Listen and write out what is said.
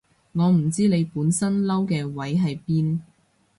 我唔知你本身嬲嘅位喺邊